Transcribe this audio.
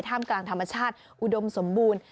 กลางธรรมชาติอุดมสมบูรณ์